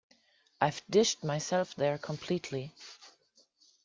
I've dished myself there completely.